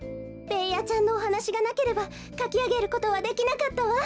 ベーヤちゃんのおはなしがなければかきあげることはできなかったわ。